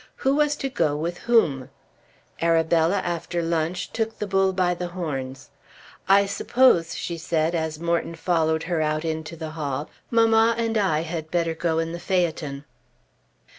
Who was to go with whom? Arabella, after lunch, took the bull by the horns. "I suppose," she said as Morton followed her out into the hall, "mamma and I had better go in the phaeton."